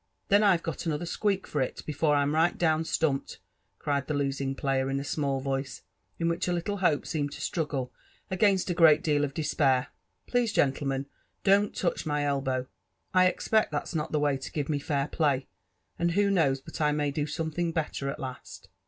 Then I've got another squeak for it, before Tm right ilowB stump*! ed," erted'the losing player,, in a small voice, in which « IfUle hopt seemed to struggle against a great deal of despair. Please, gentle^ aien, don't loaoh my elbow ; I expect (hat's not the way to give me lair 'pky, and who knows but I may do something better at last!